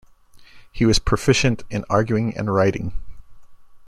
He was proficient in arguing and writing.